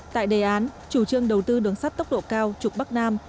tại đề án chủ trương đầu tư đường sắt tốc độ cao trục bắc nam